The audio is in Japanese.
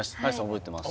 覚えてます